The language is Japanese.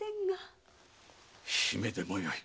姫でもよい。